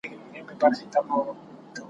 خو یوه ورځ به درته په کار سم `